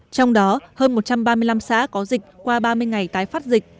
trong đó hơn một trăm ba mươi năm xã có dịch qua ba mươi ngày tái phát dịch